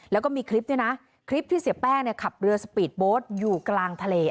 แล้วก็มีคลิปเนี่ยนะคลิปที่เสียแป้งขับเรือสปีดโบสต์อยู่กลางทะเล